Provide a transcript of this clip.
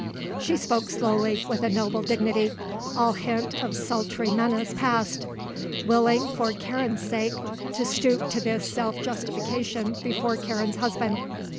She spoke slowly, with a noble dignity, all hint of sultry menace passed; willing, for Karen's sake, to stoop to this self justification before Karen's husband.